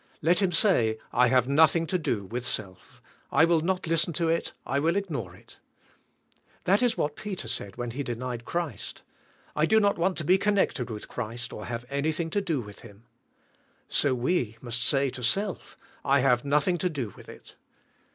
Let him say, "I have nothing to do with self. I will not listen to it. I will ig nore it." That is what Peter said when he denied Christ, " I do not want to be connected with Christ or have anything to do with Him. " So we must say to self, "I have nothing to do with it."